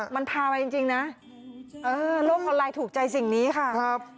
มันพาไปจริงขาลอยนะโลกออนไลน์ถูกใจสิ่งนี้ค่ะ